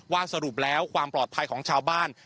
สรุปแล้วความปลอดภัยของชาวบ้าน